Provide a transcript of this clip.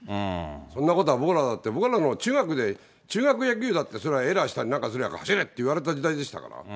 そんなことは僕らだって、僕らはもう中学で、中学野球だってそれはエラーしたりなんかしたら、走れって言われた時代ですから。